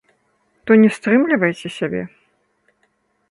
То не стрымлівайце сябе.